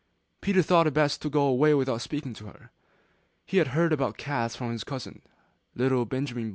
Peter thought it best to go away without speaking to her; he had heard about cats from his cousin, little Benjamin Bunny.